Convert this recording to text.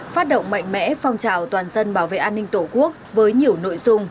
phát động mạnh mẽ phong trào toàn dân bảo vệ an ninh tổ quốc với nhiều nội dung